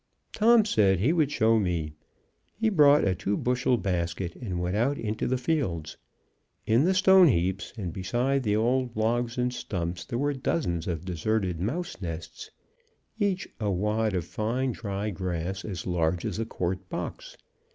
Tom said he would show me. He brought a two bushel basket and went out into the fields. In the stone heaps, and beside the old logs and stumps, there were dozens of deserted mouse nests, each a wad of fine dry grass as large as a quart box.